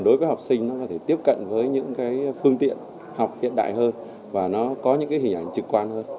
đối với học sinh nó có thể tiếp cận với những phương tiện học hiện đại hơn và nó có những hình ảnh trực quan hơn